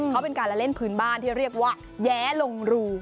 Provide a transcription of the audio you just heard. เขาเป็นการละเล่นพื้นบ้านที่เรียกว่าแย้ลงรู